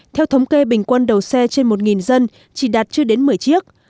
theo thống kê bình quân đầu xe trên một dân chỉ đạt chưa đến một mươi chiếc